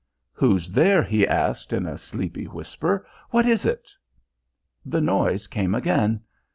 "Who's there?" he asked in a sleepy whisper. "What is it?" The noise came again.